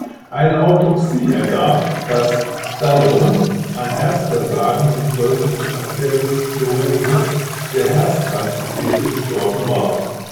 Eine Autopsie ergab, dass Stallone an Herzversagen infolge von Arteriosklerose der Herzkranzgefäße gestorben war.